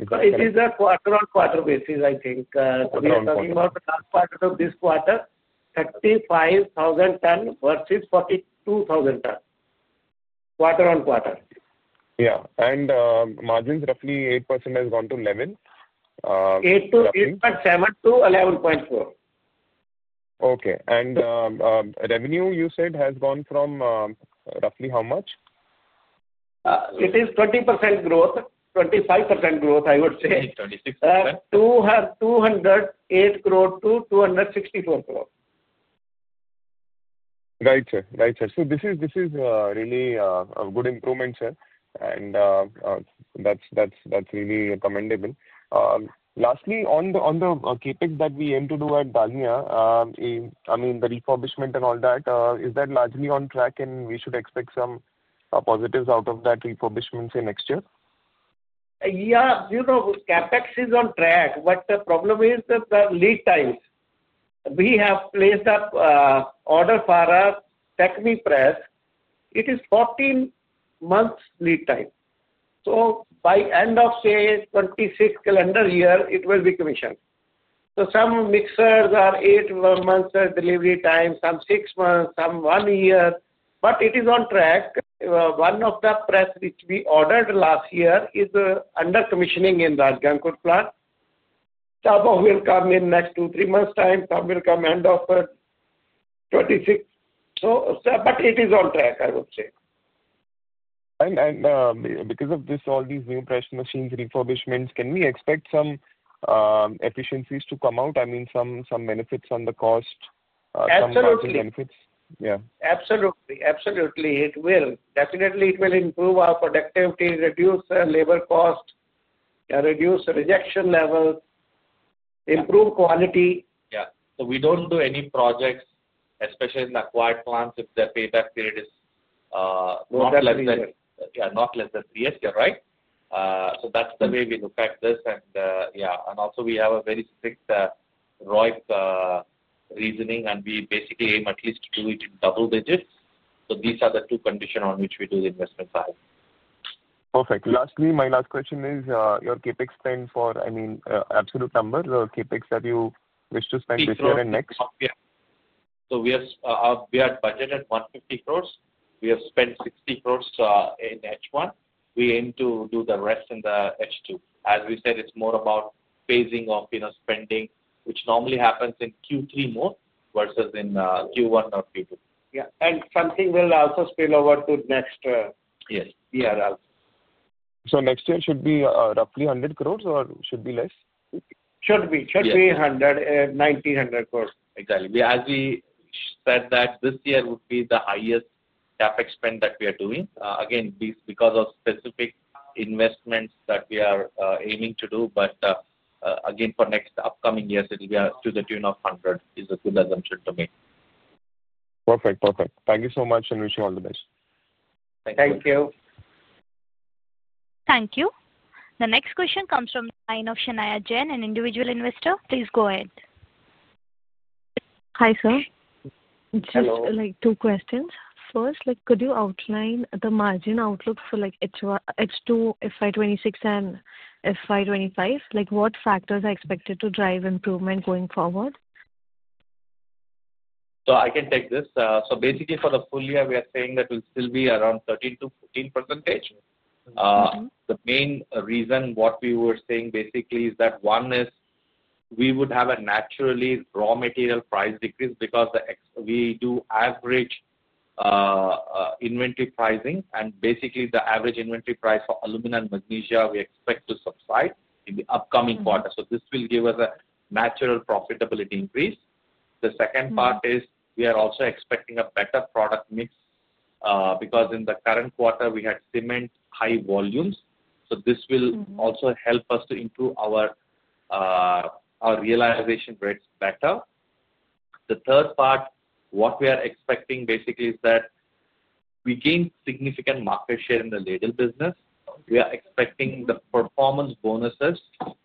It is a quarter-on-quarter basis, I think. Quarter-on-quarter. We are talking about the last quarter of this quarter, 35,000 tons versus 42,000 tons quarter-on-quarter. Yeah. Margin is roughly 8% has gone to 11%. Uh, 8.7%-11.4%. Okay. Revenue, you said, has gone from roughly how much? It is 20% growth, 25% growth, I would say. 208 crore-264 crore. Right, sir. Right, sir. This is really a good improvement, sir. That is really commendable. Lastly, on the CapEx that we aim to do at Dalmia, I mean, the refurbishment and all that, is that largely on track, and we should expect some positives out of that refurbishment say next year? Yeah. CapEx is on track. The problem is the lead times. We have placed an order for a technique press. It is 14 months lead time. By end of, say, 2026 calendar year, it will be commissioned. Some mixers are 8 months delivery time, some 6 months, some 1 year. It is on track. One of the presses which we ordered last year is under commissioning in Rajgangpur plant. Some will come in next 2, 3 months' time. Some will come end of 2026. It is on track, I would say. Because of all these new press machines, refurbishments, can we expect some efficiencies to come out? I mean, some benefits on the cost, some cost benefits? Absolutely. Absolutely. Absolutely. It will. Definitely, it will improve our productivity, reduce labor cost, reduce rejection level, improve quality. Yeah. We do not do any projects, especially in the acquired plants, if the payback period is not less than three years, right? That is the way we look at this. Yeah. Also, we have a very strict ROIP reasoning, and we basically aim at least to do it in double digits. These are the two conditions on which we do the investment side. Perfect. Lastly, my last question is, your CapEx spend for, I mean, absolute numbers, the CapEx that you wish to spend this year and next? We are budgeted 150 crores. We have spent 60 crores in H1. We aim to do the rest in H2. As we said, it is more about phasing of spending, which normally happens in Q3 more versus in Q1 or Q2. Yeah. Something will also spill over to next year. Yes. Next year should be roughly 100 crores or should be less? Should be. Should be 100-190 crores. Exactly. As we said that this year would be the highest CapEx spend that we are doing. Again, because of specific investments that we are aiming to do. Again, for next upcoming years, it will be to the tune of 100 crore is a good assumption to make. Perfect. Perfect. Thank you so much, and wish you all the best. Thank you. Thank you. The next question comes from the line of Shania Jen, an individual investor. Please go ahead. Hi, sir. Hello. Just two questions. First, could you outline the margin outlook for H2, FY 2026, and FY 2025? What factors are expected to drive improvement going forward? I can take this. Basically, for the full year, we are saying that we'll still be around 13%-14%. The main reason we were saying this is that one is we would have a natural raw material price decrease because we do average inventory pricing. Basically, the average inventory price for alumina and magnesia, we expect to subside in the upcoming quarter. This will give us a natural profitability increase. The second part is we are also expecting a better product mix because in the current quarter, we had cement high volumes. This will also help us to improve our realization rates better. The third part we are expecting is that we gain significant market share in the ladle business. We are expecting the performance bonuses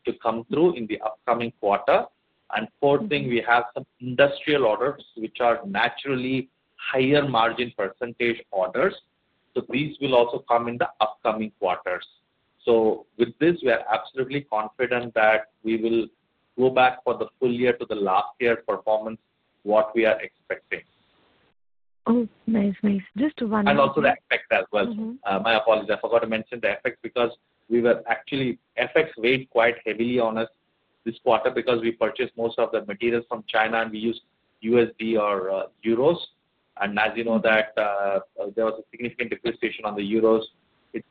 to come through in the upcoming quarter. Fourth thing, we have some industrial orders, which are naturally higher margin percentage orders. These will also come in the upcoming quarters. With this, we are absolutely confident that we will go back for the full year to the last year performance, what we are expecting. Oh, nice. Nice. Just one more. Also the effect as well. My apologies. I forgot to mention the effect because we were actually FX weighed quite heavily on us this quarter because we purchased most of the materials from China, and we used USD or Euros. As you know, there was a significant depreciation on the euros. It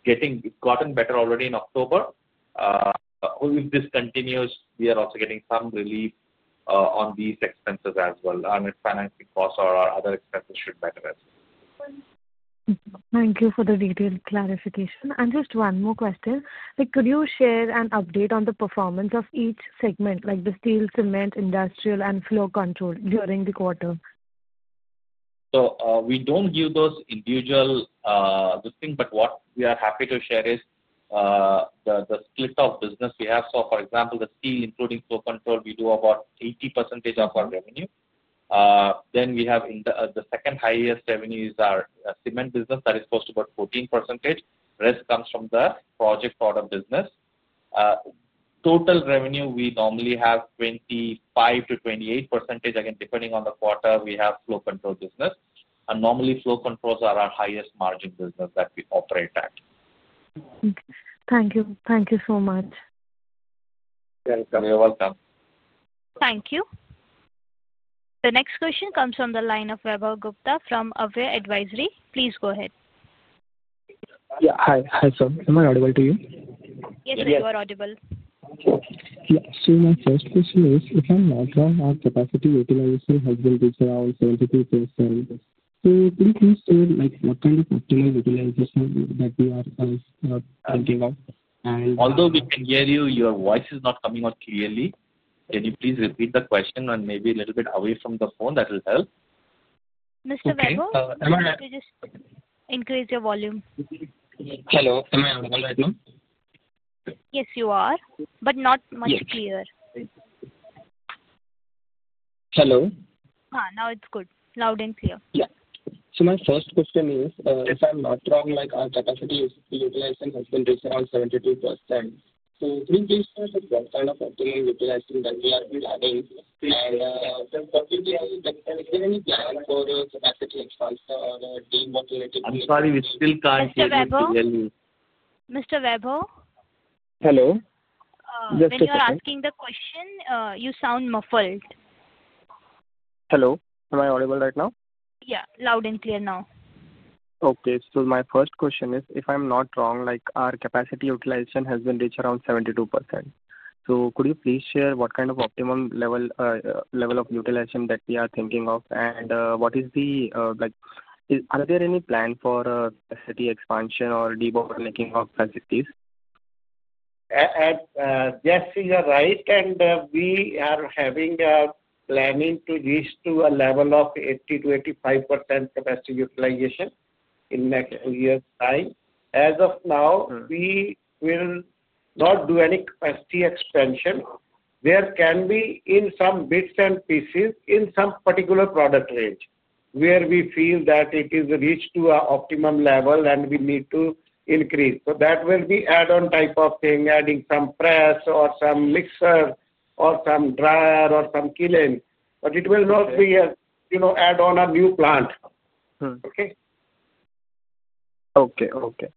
has gotten better already in October. If this continues, we are also getting some relief on these expenses as well. Financing costs or other expenses should be better as well. Thank you for the detailed clarification. Just one more question. Could you share an update on the performance of each segment, like the steel, cement, industrial, and flow control during the quarter? We do not give those individual good things, but what we are happy to share is the split of business we have. For example, steel, including flow control, we do about 80% of our revenue. Then we have the second highest revenues, our cement business, that is close to about 14%. The rest comes from the project order business. Total revenue, we normally have 25%-28%, again, depending on the quarter, we have flow control business. Normally, flow controls are our highest margin business that we operate at. Thank you. Thank you so much. You're welcome. Thank you. The next question comes from the line of Weber Gupta from Aware Advisory. Please go ahead. Yeah. Hi, sir. Am I audible to you? Yes, sir. You are audible. Yeah. So my first question is, if I'm not wrong, our capacity utilization has been reached around 72%. Could you please tell what kind of optimal utilization that we are thinking of? Although we can hear you, your voice is not coming out clearly. Can you please repeat the question and maybe a little bit away from the phone? That will help. Mr. Weber, could you just increase your volume? Hello. Am I audible right now? Yes, you are, but not much clearer. Hello. Now it's good. Loud and clear. Yeah. So my first question is, if I'm not wrong, our capacity utilization has been reached around 72%. Could you please tell us what kind of optimal utilization that we have been adding? Is there any plan for capacity expansion or demotivating? I'm sorry. We still can't hear you clearly. Mr. Weber? Mr. Weber? Hello. You were asking the question. You sound muffled. Hello. Am I audible right now? Yeah. Loud and clear now. Okay. So my first question is, if I'm not wrong, our capacity utilization has been reached around 72%. Could you please share what kind of optimum level of utilization that we are thinking of? Are there any plans for capacity expansion or demotivating of capacities? Yes, you are right. We are planning to reach to a level of 80%-85% capacity utilization in next year's time. As of now, we will not do any capacity expansion. There can be in some bits and pieces in some particular product range where we feel that it is reached to our optimum level and we need to increase. That will be add-on type of thing, adding some press or some mixer or some dryer or some kiln. It will not be add-on a new plant. Okay? Okay. Okay.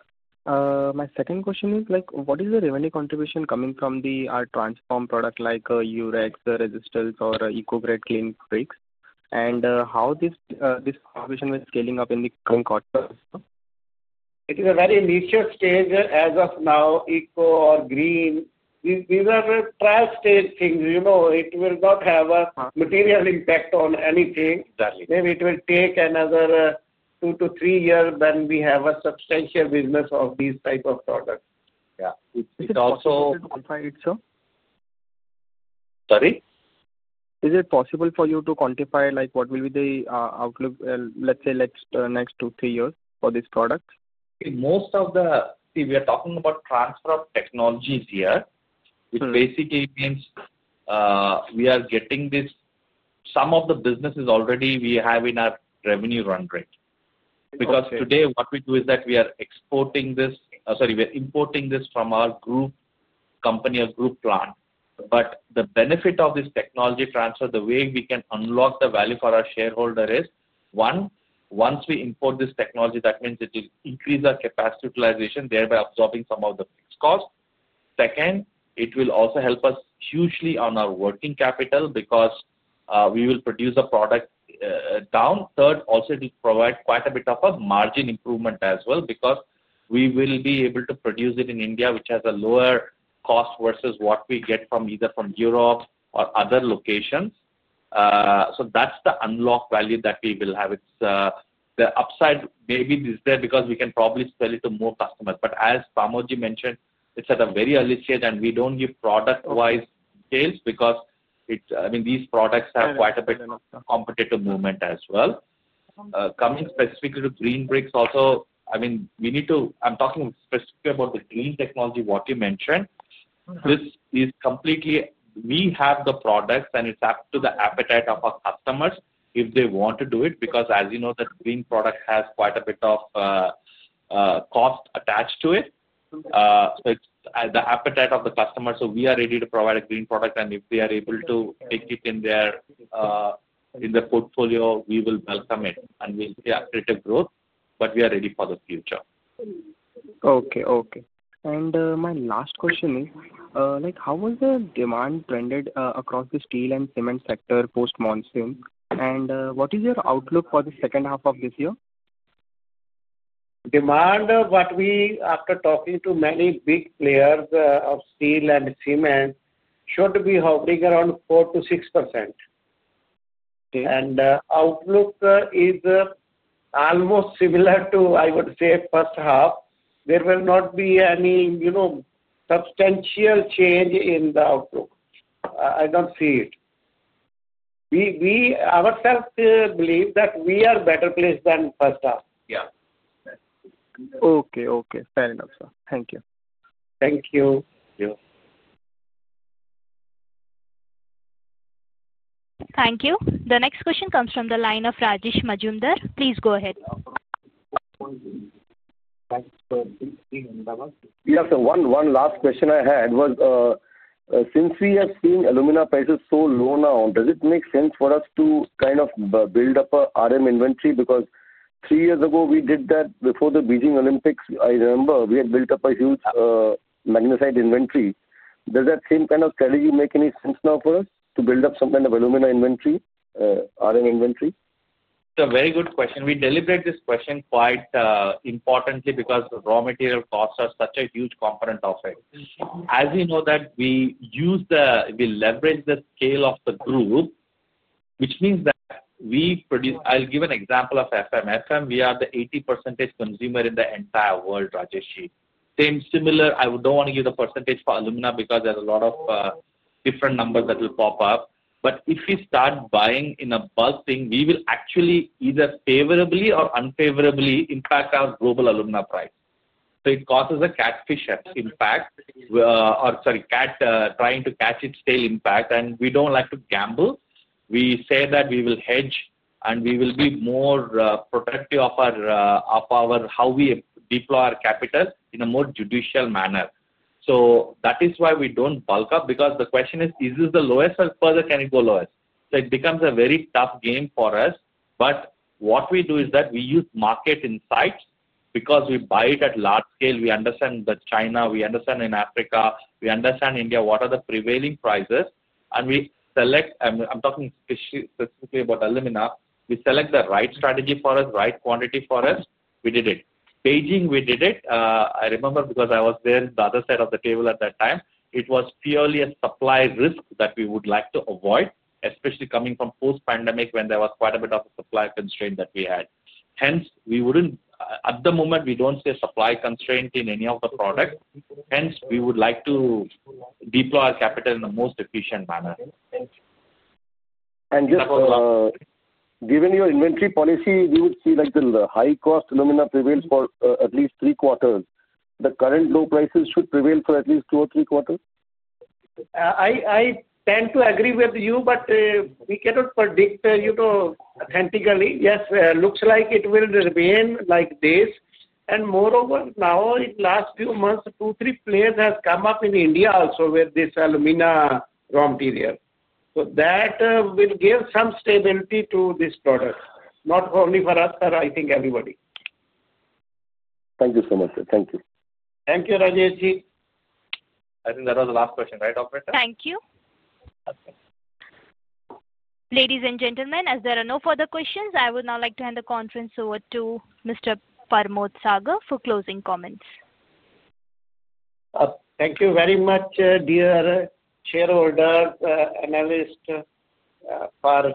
My second question is, what is the revenue contribution coming from our transform product like UREX, RESISTAL, or Eco green bricks? And how this contribution is scaling up in the coming quarters? It is a very initial stage as of now. Eco or green, these are trial stage things. It will not have a material impact on anything. Maybe it will take another 2 to 3 years when we have a substantial business of these type of products. Yeah. It's also. Can you quantify it, sir? Sorry? Is it possible for you to quantify what will be the outlook, let's say, next 2, 3 years for this product? Most of the, see, we are talking about transfer of technologies here, which basically means we are getting this, some of the businesses already we have in our revenue run rate. Because today, what we do is that we are exporting this, sorry, we are importing this from our group company or group plant. The benefit of this technology transfer, the way we can unlock the value for our shareholder is, one, once we import this technology, that means it will increase our capacity utilization, thereby absorbing some of the fixed costs. Second, it will also help us hugely on our working capital because we will produce a product down. Third, also it will provide quite a bit of a margin improvement as well because we will be able to produce it in India, which has a lower cost versus what we get from either from Europe or other locations. That is the unlocked value that we will have. The upside maybe is there because we can probably sell it to more customers. As Parmodji mentioned, it is at a very early stage, and we do not give product-wise details because, I mean, these products have quite a bit of competitive movement as well. Coming specifically to green bricks also, I mean, we need to, I am talking specifically about the green technology you mentioned. This is completely we have the products, and it's up to the appetite of our customers if they want to do it because, as you know, the green product has quite a bit of cost attached to it. It's the appetite of the customers. We are ready to provide a green product, and if they are able to take it in their portfolio, we will welcome it. We will see a greater growth, but we are ready for the future. Okay. Okay. My last question is, how has the demand trended across the steel and cement sector post monsoon? What is your outlook for the second half of this year? Demand, after talking to many big players of steel and cement, should be hovering around 4%-6%. Outlook is almost similar to, I would say, first half. There will not be any substantial change in the outlook. I do not see it. We ourselves believe that we are better placed than first half. Yeah. Okay. Okay. Fair enough, sir. Thank you. Thank you. Thank you. Thank you. The next question comes from the line of Rajesh Majumdar. Please go ahead. Yes, sir. One last question I had was, since we have seen alumina prices so low now, does it make sense for us to kind of build up an RM inventory? Because three years ago, we did that before the Beijing Olympics. I remember we had built up a huge magnesite inventory. Does that same kind of strategy make any sense now for us to build up some kind of alumina inventory, RM inventory? It's a very good question. We deliberate this question quite importantly because raw material costs are such a huge component of it. As you know, we leverage the scale of the group, which means that we produce, I'll give an example of FMF. We are the 80% consumer in the entire world, Rajesh. Same similar, I don't want to give the percentage for alumina because there's a lot of different numbers that will pop up. If we start buying in a bulk thing, we will actually either favorably or unfavorably impact our global alumina price. It causes a catfish impact or, sorry, cat trying to catch its tail impact. We don't like to gamble. We say that we will hedge, and we will be more protective of how we deploy our capital in a more judicial manner. That is why we do not bulk up because the question is, is this the lowest or further can it go lowest? It becomes a very tough game for us. What we do is that we use market insights because we buy it at large scale. We understand China, we understand Africa, we understand India, what are the prevailing prices. We select, I am talking specifically about alumina, we select the right strategy for us, right quantity for us. We did it. Beijing, we did it. I remember because I was there on the other side of the table at that time. It was purely a supply risk that we would like to avoid, especially coming from post-pandemic when there was quite a bit of a supply constraint that we had. Hence, at the moment, we do not see a supply constraint in any of the products. Hence, we would like to deploy our capital in the most efficient manner. Just given your inventory policy, we would see the high-cost alumina prevails for at least three quarters. The current low prices should prevail for at least two or three quarters? I tend to agree with you, but we cannot predict authentically. Yes, it looks like it will remain like this. Moreover, now, in the last few months, two or three players have come up in India also with this alumina raw material. That will give some stability to this product, not only for us, but I think everybody. Thank you so much. Thank you. Thank you, Rajesh. I think that was the last question, right, Dr. Thank you. Ladies and gentlemen, as there are no further questions, I would now like to hand the conference over to Mr. Parmod Sagar for closing comments. Thank you very much, dear shareholders, analysts, for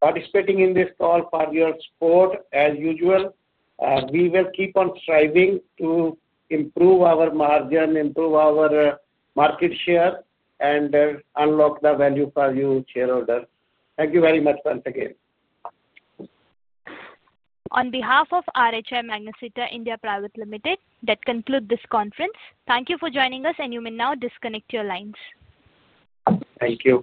participating in this call, for your support as usual. We will keep on striving to improve our margin, improve our market share, and unlock the value for you, shareholders. Thank you very much once again. On behalf of RHI Magnesita India Private Limited, that concludes this conference. Thank you for joining us, and you may now disconnect your lines. Thank you.